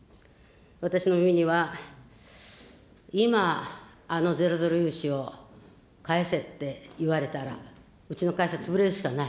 私の耳には今、あのゼロゼロ融資を返せって言われたら、うちの会社、潰れるしかない。